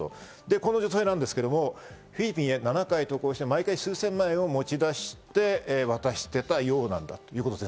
この女性なんですけどフィリピンへ７回渡航して、毎回数千万円を持ち出して渡していたようだということです。